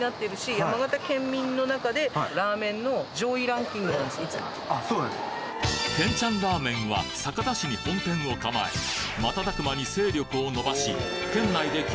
何やら皆さん謎のケンちゃんラーメンは酒田市に本店を構え瞬く間に勢力を伸ばし